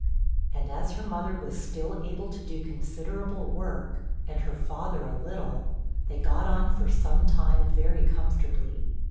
And as her mother was still able to do considerable work, and her father a little, they got on for some time very comfortably.